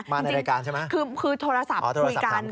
มาในรายการใช่ไหมคือโทรศัพท์คุยกัน